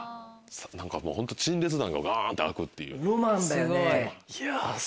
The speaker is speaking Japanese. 何かもうホント陳列棚がガンって開くっていう。